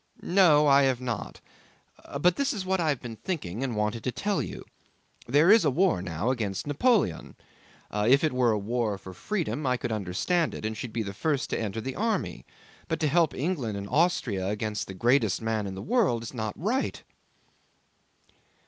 "No, I have not; but this is what I have been thinking and wanted to tell you. There is a war now against Napoleon. If it were a war for freedom I could understand it and should be the first to enter the army; but to help England and Austria against the greatest man in the world is not right."